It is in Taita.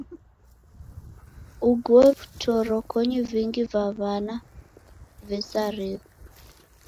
Ogua vitorokonya vingi va w'ana vesarigha.